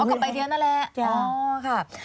เอากับใบเทียมนั่นแหละ